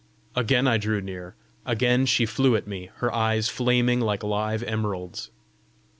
Again I drew near; again she flew at me, her eyes flaming like live emeralds.